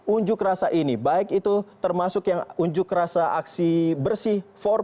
unjuk rasa ini baik itu termasuk yang unjuk rasa aksi bersih empat